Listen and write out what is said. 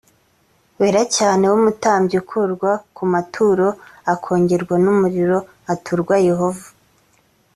wera cyane w umutambyi ukurwa ku maturo akongorwa n umuriro aturwa yehova